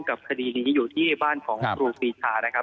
คดีนี้อยู่ที่บ้านของครูปีชานะครับ